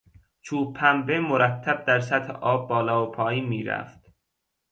چوب پنبه مرتب در سطح آب بالا و پایین میرفت.